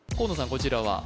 こちらは？